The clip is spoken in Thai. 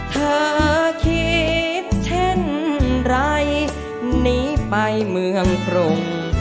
เธอคิดเช่นไรหนีไปเมืองกรุง